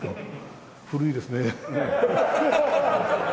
古いですね。